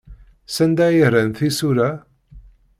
Sanda ay rran tisura?